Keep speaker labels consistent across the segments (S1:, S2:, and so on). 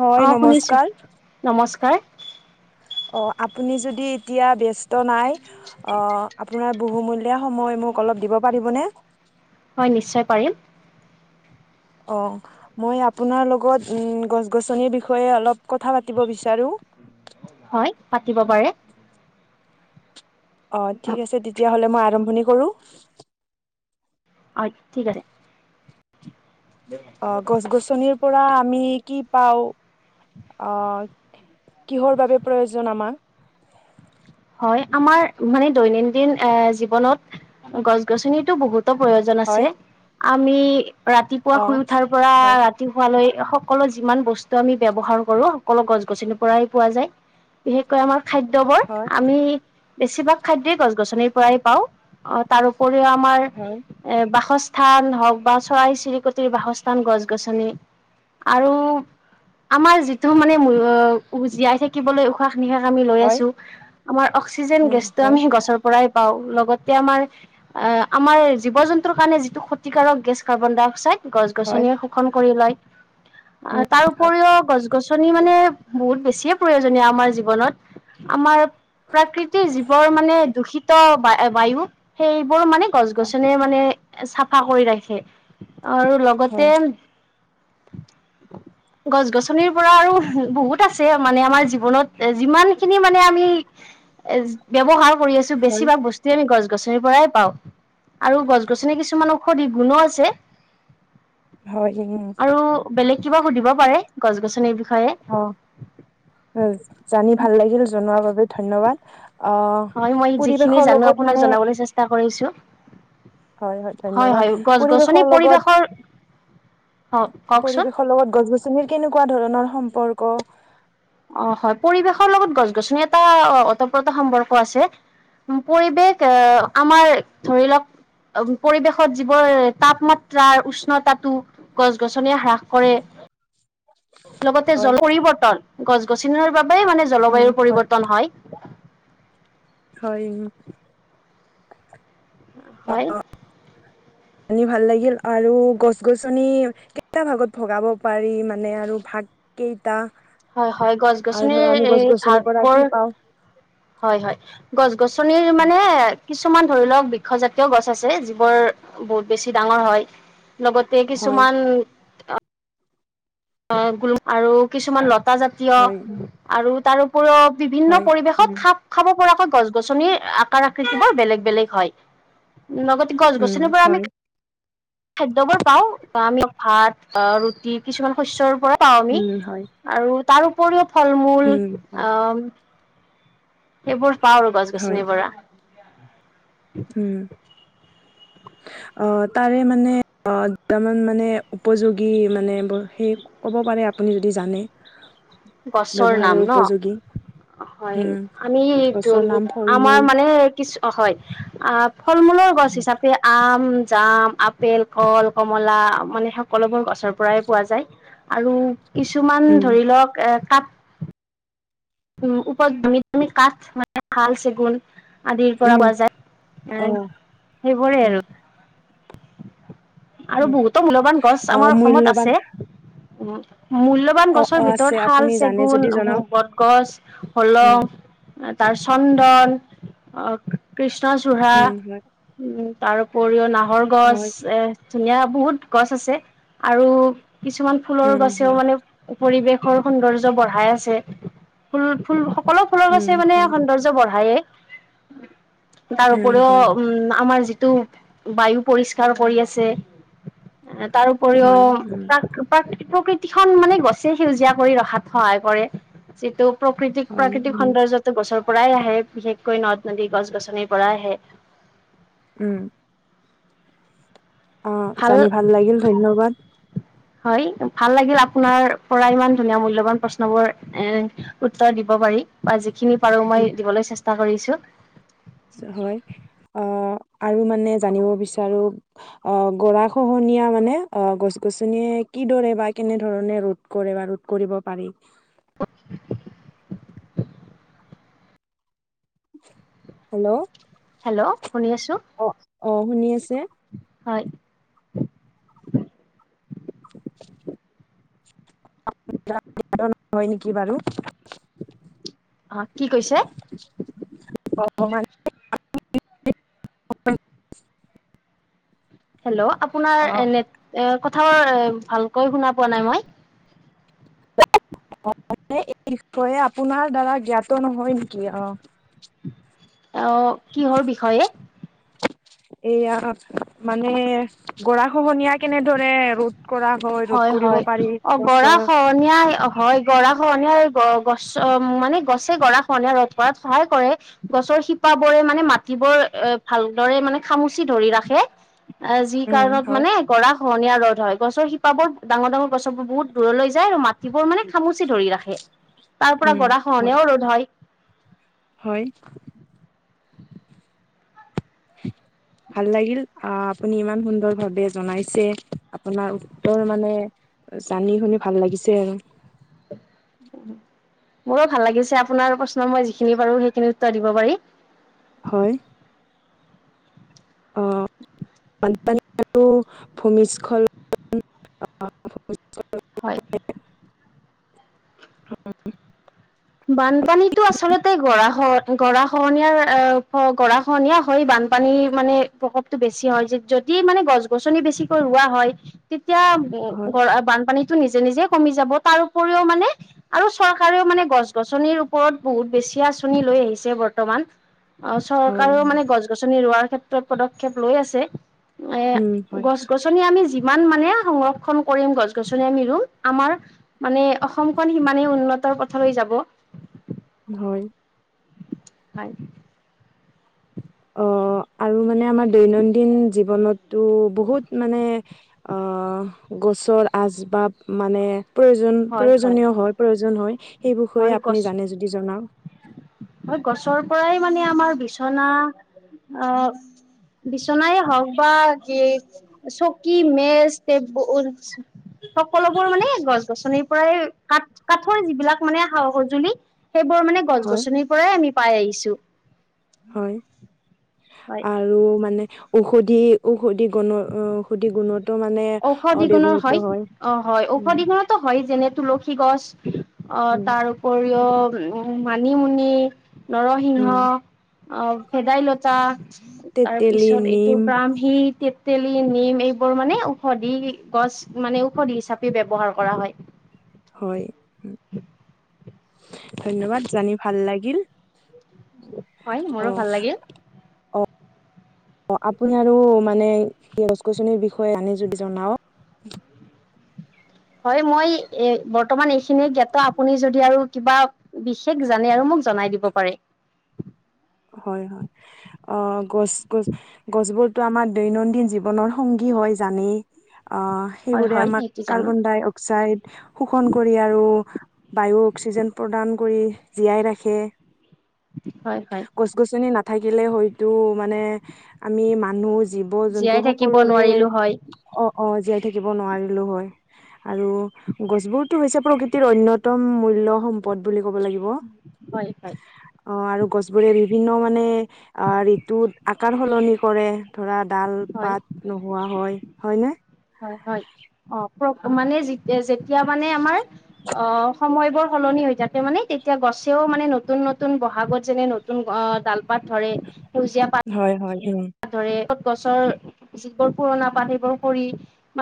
S1: হয়
S2: অহ, শুনিছো
S1: নমস্কাৰ
S2: নমস্কাৰ।
S1: অহ, আপুনি যদি এতিয়া ব্যস্ত নাই অ' আপোনাৰ বহুমূলীয়া সময় ম মোক অলপ দিব পাৰিবনে?
S2: হয়, নিশ্চয় পাৰিম।
S1: অহ, মই আপোনাৰ লগত উম গছ-গছনিৰ বিষয়ে অলপ কথা পাতিব বিচাৰো। [inaudible]
S2: হয়, পাতিব পাৰে।
S1: অগ, ঠিক আছে তেতিয়াহ'লে মই আৰম্ভণি কৰো
S2: হয়, ঠিক আছে।
S1: অহ, গছ- গছনিৰ পৰা আমি কি পাওঁ? অহ, কিহৰ বাবে প্ৰয়োজন আমাক?
S2: হয় আমাৰ মানে দৈনন্দিন এ' জীৱনত গছ গছনিতো বহুত প্ৰয়োজন আছে
S1: হয়
S2: আমি ৰাতিপুৱা
S1: অ
S2: শুই উঠাৰ পৰা
S1: হয়
S2: ৰাতি শুৱালৈ সকলো যিমান বস্তু আমি ব্যৱহাৰ কৰো সকলো গছ -গছনিৰ পৰাই পোৱা যায়। বিশেষকৈ আমাৰ খাদ্য,
S1: হয়
S2: আমি বেছিভাগ খাদ্যই গছ- গছনিৰ পৰাই পাওঁ অ', তাৰউপৰি আমাৰ
S1: হয়
S2: বাসস্থ স্থান হওক বা চৰাই- চিৰিকটিৰ বাসস্থান গছ- গছনি আৰু আমাৰ যিটো মানে জীয়াই থাকিবলৈ উশাহ নিশাক আমি লৈ
S1: হয়
S2: আছো আমাৰ অক্সিজেন
S1: উম
S2: গেছটো
S1: হয়
S2: আমি সেই গছৰ পৰাই পাওঁ। লগতে আমাৰ অ' আমাৰ জীৱ -জন্তুৰ কাৰণে যিটো ক্ষতিকাৰক গেছ কাৰ্বন- ডাই - অক্সাইড গছ
S1: হয়
S2: -গছনি শোষন কৰি লয় আহ
S1: উম
S2: তাৰ
S1: হয়
S2: উপৰিও গছ - গছনি মানে বহুত বেছিয়ে প্ৰয়োজনীয় আমাৰ জীৱনত আমাৰ প্ৰাকৃতিৰ জীৱৰ মানে দূষিত বায়ু সেই বোৰ মানে গছ- গছনিয়ে মানে চাফা কৰি ৰাখে আৰু
S1: হয়
S2: লগতে
S1: [inaudible]
S2: গছ গছনিৰ পৰা আৰু বহুত আছে মানে আমাৰ জীৱনত যিমান খিনি মানে আমি এ ব্যৱহাৰ কৰি আছো
S1: হয়
S2: বেছিভাগ বস্তুৱে আমি গছ গছ গছনিৰ পৰাই পাওঁ। আৰু গছ গছনি কিছুমান ঔষধি গুণো আছে।
S1: হয় উম
S2: আৰু বেলেগ কিবা সুধিব পাৰে, গছ গছনিৰ বিষয়ে।
S1: অ, জানি ভাল লাগিল জনোৱাৰ বাবে ধন্যবাদ। আহ
S2: হয় মই যিখিনি
S1: পৰিৱেশৰ
S2: জানো
S1: লগত
S2: আপোনাক
S1: মানে
S2: জনাবলৈ চেষ্টা কৰিছো
S1: হয় হয় ধন্যবাদ
S2: গছ গছনি
S1: পৰিৱেশৰ লগত-
S2: পৰিৱেশৰ অ কওকচোন
S1: পৰিৱেশৰ লগত গছ গছনিৰ কেনেকুৱা ধৰণৰ সম্পৰ্ক?
S2: অ হয় পৰিৱেশৰ লগত গছ গছনি এটা উতঃ প্ৰোতঃ সম্পৰ্ক আছে। পৰিৱেশ আহ আমাৰ ধৰি লওক, পৰিৱেশত যিবোৰ তাপমাত্ৰাৰ উষ্ণতাটো গছ গছনিয়ে হ্ৰাস কৰে। লগতে
S1: হয়
S2: জল পৰিৱৰ্তন গছ -গছনি বাবে মানে
S1: উম
S2: জলবায়ুৰ
S1: হয়
S2: পৰিৱৰ্তন হয়।
S1: হয়
S2: হয়
S1: আনি ভাল লাগিল আৰু গছ গছনি কেইটা ভাগত ভগাব পাৰি মানে আৰু ভাগ কেই
S2: হয় হয় গছ -গছনিৰ এই
S1: গছ গছনিৰ
S2: ভাগ
S1: পৰা
S2: বোৰ
S1: কি পাওঁ
S2: হয় হয় গছ- গছনিৰ মানে কিছুমান ধৰি লওক বৃক্ষজাতীয় গছ আছে যিবোৰ বহুত বেছি ডাঙৰ হয়। লগতে
S1: হয়
S2: কিছুমান অ গ আৰু কিছুমান লতা জাতীয়
S1: হয়
S2: আৰু তাৰো [unintelligible] বিভিন্ন
S1: হয়
S2: পৰিৱেশত
S1: উম
S2: খাপ খাব পৰাকৈ। গছ -গছনি আকাৰ আকৃতি বোৰ বেলেগ বেলেগ হয়। [unintelligible] লগতে
S1: উম
S2: গছ-গছনিৰ পৰা আমি
S1: হয়
S2: খাদ্যবোৰ পাওঁ বা আমি ভাত ৰুটি কিছুমান শস্যৰ পৰা। পাওঁ আমি
S1: উম হয়
S2: আৰু তাৰ উপৰিও ফল মূল
S1: উম হয়
S2: আহ এইবোৰ পাওঁ আৰু গছ
S1: হয়
S2: -গছনি পৰা।
S1: উম! অ তাৰে মানে অ যামান মানে উপযোগী মানে সেই ক'ব প [unintelligible] মানে আপুনি এই টো জানে
S2: গছৰ নাম
S1: ব্যৱহাৰৰ
S2: ন
S1: উপযোগী
S2: হয়
S1: উম
S2: আমি
S1: গছৰ নাম ফল
S2: আমাৰ
S1: মূল
S2: মানে কিছু হয় আ ফল মূলৰ গছ হিচাপে আম জাম, আপেল, কল, কমলা, মানে সকলোবোৰ গছৰ পৰাই পোৱা যায় আৰু কিছুমান
S1: উম
S2: ধৰি লওক এ কাপ উ উপমিমি কাঠ মানে হাল চেগুন [unintelligible] আদিৰ পৰা
S1: উম
S2: বজায় এ
S1: অ'
S2: সেইবোৰে
S1: উম
S2: আৰু আৰু
S1: উম
S2: বহুতো মূল্যবান গছ
S1: অ'
S2: আমাৰ অসমত
S1: মূল্যবান
S2: আছে। উম, মূল্যবান
S1: অ'
S2: গছৰ
S1: অ' আছে
S2: ভিতৰত শাল,
S1: আপুনি জানে
S2: চেগুন,
S1: যদি জনাওক
S2: বটগছ, হলং।
S1: উম
S2: তাৰ চন্দন, কৃষ্ণচূড়া।
S1: উম হয়
S2: তাৰ উপৰিও নাহৰ গছ,
S1: হয়
S2: এ ধুনীয়া বহুত গছ আছে আৰু। কিছুমান ফুলৰ
S1: উম
S2: গছেও
S1: হয়
S2: মানে [unintelligible] পৰিৱেশৰ সৌন্দৰ্য্য বঢ়াই আছে ফুল ফুল অলপ ফুলৰ
S1: উম
S2: গছে মানে
S1: হয়
S2: সৌন্দৰ্য বঢ়ায়েই তাৰ
S1: উম
S2: উপৰিও
S1: হয়
S2: উম! আমাৰ যিটো বায়ু পৰিষ্কাৰ কৰি আছে তাৰপৰিও
S1: হয় উম
S2: প্ৰাক প্ৰাক প্ৰকৃতি খন মানে গছে সেউজীয়া কৰি ৰখাত সহায় কৰে যিটো প্ৰকৃতিক
S1: হয়
S2: প্ৰাকৃতিক
S1: উম
S2: সৌন্দৰ্যতে গছৰ পৰাই আহে বিশেষকৈ নদ- নদী গছ গছনিৰ পৰাই আহে
S1: উম অ জানি ভাল লাগিল ধন্যবাদ।
S2: হয় ভাল লাগিল আপোনাৰ পৰা ইমান ধুনীয়া মূল্যবান প্ৰশ্ন বোৰ এ উত্তৰ দিব পাৰি। যিখিনি পাৰোঁ মই দিবলৈ চেষ্টা কৰিছোঁ।
S1: হয় আহ আৰু মানে জানিব বিচাৰো অ গৰা খহন নীয়া মানে অ গছ-গছনিয়ে কিদৰে বা কেনে ধৰণে ৰোধ কৰে বা ৰোধ কৰিব পাৰি
S2: [inaudible]
S1: হেল্ল'
S2: হেল্ল' শুনি আছোঁ
S1: অ অ শুনি আছো
S2: হয়
S1: হয় নেকি বাৰু।
S2: আহ কি কৈছে।
S1: [unintelligible]
S2: হেল্ল' আপোনাৰ
S1: অ
S2: কথা ভালকৈ শুনা পোৱা নাই মই
S1: [unintelligible] এই বিষয়ে আপোনাৰ দ্বাৰা জ্ঞাত নহয় নেকি? আহ
S2: আহ কিহৰ বিষয়ে।
S1: এয়া মানে গৰা খহনীয়া কেনেদৰে ৰদ।
S2: হয় হয় অ গৰা
S1: গছৰ
S2: খহনীয়া হয় গৰা খনীয়া গছ মানে গছে গৰা খহনীয়া ৰ'দ কৰাত সহায় কৰে গছৰ শিপ বোৰে। মানে মাটিবোৰ এ ভালদৰে মানে খামুচি ধৰি ৰাখে। অ যি
S1: উম
S2: কাৰণত
S1: হয়
S2: মানে গৰা খহনীয়া ৰ'দ হয় গছৰ শিপা। শিপাবোৰ ডাঙৰ ডাঙৰ গছ বোৰ বহুত দূৰলৈ যায় আৰু মাটিবোৰ মানে খামুচি ধৰি ৰাখে। তাৰ পৰা
S1: উম
S2: গৰা
S1: হয়
S2: খহনীয়াও ৰ'দ হয়
S1: হয়। [unintelligible] ভাল লাগিল আহ আপুনি ইমান সুন্দৰ ভাৱে জনাইছে আপোনাৰ উত্তৰ মানে জানি শুনি ভাল লাগিছে আৰু
S2: [unintelligible] মোৰো ভাল লাগিছে আপোনাৰ প্ৰশ্ন মই যিখিনি পাৰো সেইখিনি উত্তৰ দিব পাৰি।
S1: হয়। অ বানপানী আৰু ভূমিস্খলন [unintelligible]
S2: হয় বানপানীটো আচলতে গৰাখহ গৰা খহনীয়াৰ গৰা খনীয়া হয় বান বানপানী মানে প্ৰকোপটো বেছি হয় যদি মানে গছ গছনি বেছিকৈ ৰোৱা হয় এতিয়া
S1: হয়
S2: বানপানীতো নিজে নিজে কমি যাব তাৰওপৰিও মানে আৰু চৰকাৰেও মানে গছ গছনিৰ ওপৰত বহুত বেছি আঁচনি লৈ আহিছে বৰ্তমান অ
S1: হয়
S2: চৰকাৰেও মানে গছ গছনি ৰোৱাৰ ক্ষেত্ৰত পদক্ষেপ লৈ আছে। এ
S1: উম হয়
S2: গছ গছনি আমি জি ইমান মানে সংৰক্ষণ কৰিম গছ গছনি আমি ৰুম আমাৰ মানে অসমখন সিমানে উন্নত তৰ পথলৈ যাব
S1: হয়
S2: হয়
S1: অ আৰু মানে আমাৰ দৈনন্দিন জীৱনটো বহুত মানে অ অহ গছৰ আচবাব মানে প্ৰয়োজন প্ৰয়োজনীয় হয় প্ৰয়োজন হয় সেই বিষয়ে
S2: হয় গছ
S1: আপুনি জানে যদি জনাওক।
S2: হয় গছৰ পৰাই মানে আমাৰ বিচনা আহ বিছনাই হওক বা যে চকী মেজ টেবুল সকলোবোৰ মানে গছ-গছনিৰ পৰাই কাঠ কাঠৰ যিবিলাক মানে সা-সঁজুলি সেইবোৰ মানে গছ
S1: হয়
S2: গছনিৰ পৰাই আমি পাই আহিছোঁ।
S1: হয় আৰু মানে ঔষধি সুদি গুণৰ অ সুদি গুণত
S2: ঔষধি গুণৰ হয় অ হয়
S1: উম
S2: ঔষধি গুণতো হয় যেনে তুলসী গছ অহ
S1: উম
S2: তাৰ উপৰিও উ মানিমুনি নৰসিংহ
S1: উম
S2: অ ভেদাইলতা তাৰ
S1: তেতেলী
S2: পিছত এইটো
S1: নিম
S2: ব্ৰাহ্মী, তেতেলী, নিম এইবোৰ মানে ঔষধি গছ মানে ঔষধ হিচাপে ব্যৱহাৰ কৰা হয়।
S1: হয় উম,
S2: [unintelligible]
S1: ধন্যবাদ জানি ভাল লাগিল।
S2: হয়
S1: অ
S2: মোৰো ভাল লাগিল
S1: অ আপুনি আৰু মানে গছ-গছনিৰ বিষয়ে জানে যদি জনাওক।
S2: হয় মই এ জনাই দিব পাৰে
S1: [inaudible] [inaudible] জানেই অ সেইবোৰে আমাক
S2: হয় হয় সেইটো জানো।
S1: কাৰ্বন- ডাই -অক্সাইড শোষণ কৰি আৰু বায়ু অক্সিজেন প্ৰদান কৰি জীয়াই ৰাখে
S2: হয় হয়
S1: গছ-গছনি নাথাকিলে হয়তো মানে আমি মানুহ জীৱ-জন্তু
S2: জীয়াই থাকিব
S1: সকলোৰে
S2: নোৱাৰিলো হয়।
S1: অ অ জীয়াই থাকিব নোৱাৰিলো হয়। আৰু গছবোৰতো হৈছে প্ৰকৃতিৰ অন্যতম মূল্য সম্পদ বুলি ক কব লাগিব
S2: হয় হয়
S1: আৰু গছবোৰ বিভিন্ন মানে ঋতুত আকাৰ সলনি কৰে ধৰা ডাল
S2: হয়
S1: -পাত নোহোৱা হয় হয়নে?
S2: হয় হয় অ মানে যি যেতিয়া মানে আমাৰ অ সময়বোৰ সলনি হৈ থাকে মানে তেতিয়া গছেও মানে নতুন নতুন বহাগত যেনে নতুন ডাল-পাত ধৰে সেউজীয়া পাত
S1: হয় হয় উম
S2: ধৰে গছৰ যিবোৰ পুৰণা পাত সেইবোৰ কৰি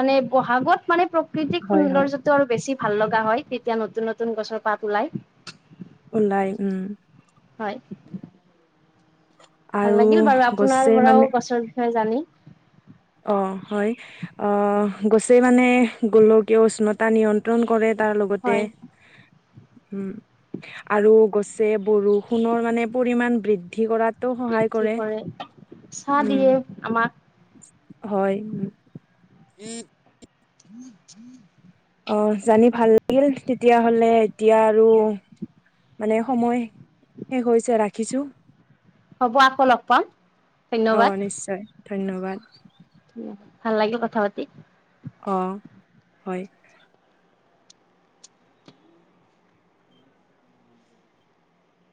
S2: মানে ব'হাগত মানে প্ৰাকৃতিক
S1: হয় হয়
S2: সৌন্দৰ্যটো আৰু বেছি ভাল লগা হয় তেতিয়া নতুন নতুন গছৰ পাত ওলাই
S1: ওলাই উম
S2: হয় ভাল
S1: আৰু
S2: লাগিল বাৰু আপোনাৰ
S1: গছে মানে
S2: পৰাও গছৰ বিষয়ে জানি
S1: অ হয় গছে মানে গোলকীয় উষ্ণতা নিমন্ত্ৰণ কৰে তাৰ লগতে
S2: হয়
S1: উম আৰু গছে বৰষুণৰ মানে পৰিমান বৃদ্ধি কৰাত
S2: বৃদ্ধি কৰে ছাঁ দিয়ে আমাক
S1: হয়
S2: [unintelligible]
S1: অ জানি ভাল লাগিল তেতিয়াহলে এতিয়া আৰু মানে সময় শেষ হৈছে ৰাখিছোঁ।
S2: হ'ব আকৌ লগ পাম ধন্যবাদ।
S1: অ' নিশ্চয় ধন্যবাদ।
S2: ভাল লাগিল কথা পাতি
S1: অ হয়